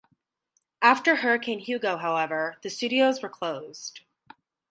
After Hurricane Hugo, however, the studios were closed.